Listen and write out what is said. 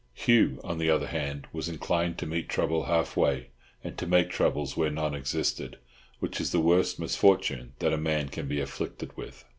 Hugh, on the other hand, was inclined to meet trouble half way, and to make troubles where none existed, which is the worst misfortune that a man can be afflicted with.